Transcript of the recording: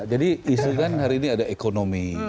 jadi isu kan hari ini ada ekonomi